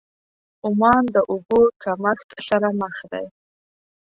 عمان د اوبو کمښت سره مخ دی.